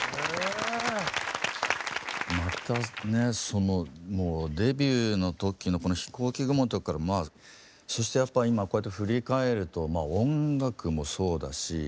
そのもうデビューの時のこの「ひこうき雲」の時からそしてやっぱ今こうやって振り返ると音楽もそうだし